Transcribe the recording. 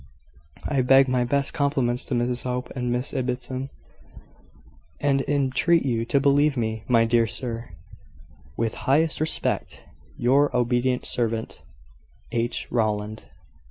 "I beg my best compliments to Mrs Hope and Miss Ibbotson, and entreat you to believe me, my dear sir, "With the highest respect, "Your obedient servant, "H. Rowland."